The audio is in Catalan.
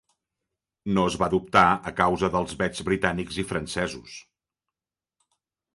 No es va adoptar a causa dels vets britànics i francesos.